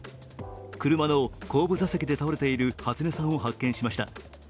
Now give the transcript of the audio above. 車の後部座席で倒れている初音さんを発見しました。